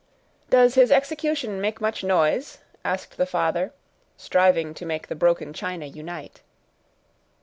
"Does his execution make much noise?" asked the father, striving to make the broken china unite.